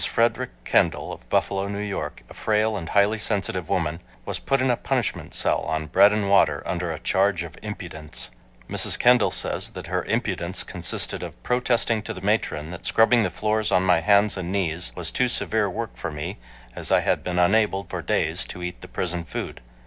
Frederick Kendall of Buffalo, New York, a frail and highly sensitive woman, was put in a "punishment cell" on bread and water, under a charge of "impudence." Mrs. Kendall says that her impudence consisted of "protesting to the matron that scrubbing floors on my hands and knees was too severe work for me as I had been unable for days to eat the prison food.